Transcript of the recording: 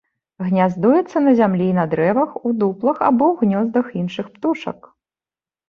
Гняздуецца на зямлі і на дрэвах, у дуплах або ў гнёздах іншых птушак.